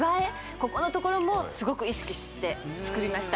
ここのところもすごく意識して作りました